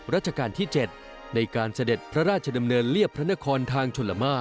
ราชการที่๗ในการเสด็จพระราชดำเนินเรียบพระนครทางชลมา